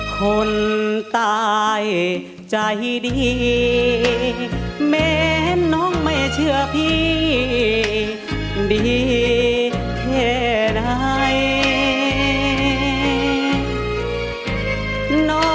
คนตายใจดีแม้น้องไม่เชื่อพี่ดีแค่ไหน